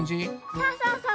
そうそうそう。